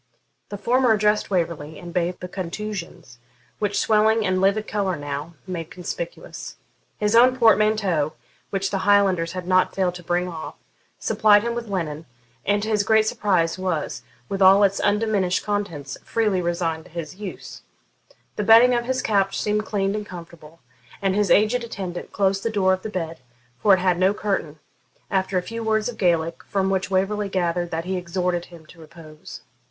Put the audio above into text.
The former addressed Waverley, and bathed the contusions, which swelling and livid colour now made conspicuous. His own portmanteau, which the Highlanders had not failed to bring off, supplied him with linen, and to his great surprise was, with all its undiminished contents, freely resigned to his use. The bedding of his couch seemed clean and comfortable, and his aged attendant closed the door of the bed, for it had no curtain, after a few words of Gaelic, from which Waverley gathered that he exhorted him to repose.